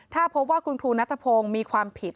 ถ้าพบว่าคุณครูนัทพงศ์มีความผิด